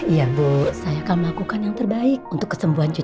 iya bu saya akan melakukan yang terbaik untuk kesembuhan jiwa